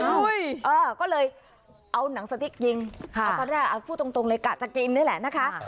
เออก็เลยเอาหนังสติ๊กยิงตอนแรกพูดตรงเลยกะจะกินด้วยแหละนะคะ